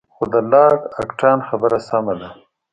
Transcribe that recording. خو د لارډ اکټان خبره سمه ده.